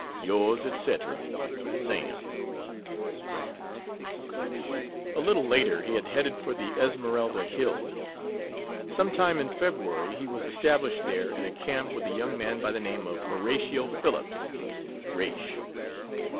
Yrs. etc., SAM A little later he had headed for the Esmeralda Hills. Some time in February he was established there in a camp with a young man by the name of Horatio Phillips (Raish).